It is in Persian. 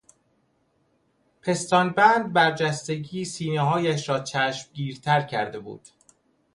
پستان بند برجستگی سینههایش را چشمگیرتر کرده بود.